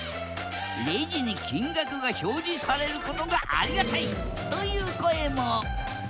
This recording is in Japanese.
レジに金額が表示されることがありがたいという声も！